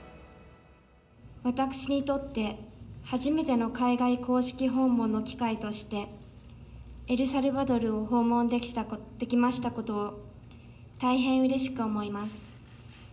私にとって、初めての海外公式訪問の機会として、エルサルバドルを訪問できましたことを大変うれしく思います。